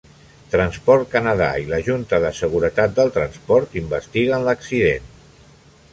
Transport Canada i la Junta de Seguretat del Transport investiguen l'accident.